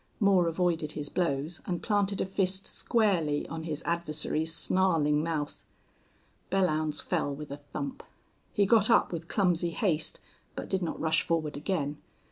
Moore avoided his blows and planted a fist squarely on his adversary's snarling mouth. Belllounds fell with a thump. He got up with clumsy haste, but did not rush forward again.